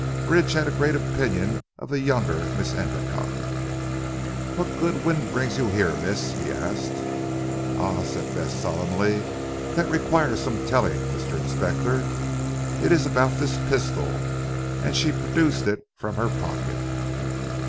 Bridge had a great opinion of the younger Miss Endicotte. "What good wind brings you here Miss?" he asked. "Ah!" said Bess solemnly, "that requires some telling Mr. Inspector. It is about this pistol?" and she produced it from her pocket.